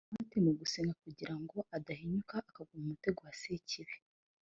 agira umuhati mu gusenga kugira ngo adahinyuka akagwa mu mutego wa sekibi